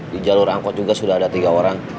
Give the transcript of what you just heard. di jalur angkot juga sudah ada tiga orang